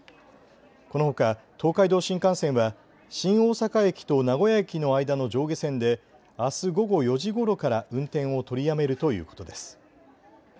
このほか東海道新幹線は新大阪駅と名古屋駅の間の上下線であす午後４時ごろから運転を取りやめるということです。